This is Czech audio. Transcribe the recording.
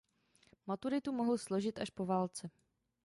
Maturitu mohl složit až po válce.